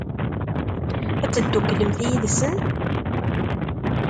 Ad tedduklemt yid-sen?